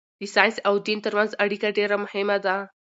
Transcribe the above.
د ساینس او دین ترمنځ اړیکه ډېره مهمه ده.